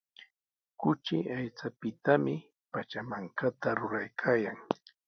Kuchi aychapitami pachamankata ruraykaayan.